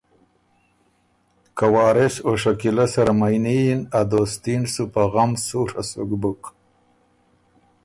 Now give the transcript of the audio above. که وارث او شکیلۀ سره مئني یِن ا دوستي ن سُو په غم سُوڒه سُک بُک